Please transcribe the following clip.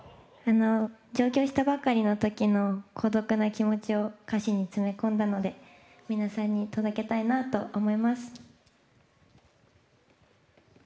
上京したばかりのときの孤独な気持ちを歌詞に詰め込んだので皆さんに届けたいなと思います。